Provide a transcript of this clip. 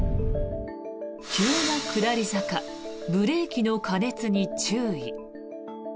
急な下り坂ブレーキの過熱に注意。